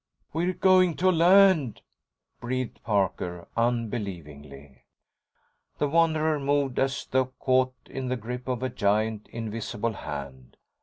"We're going to land," breathed Parker, unbelievingly. The Wanderer moved as though caught in the grip of a giant, invisible hand.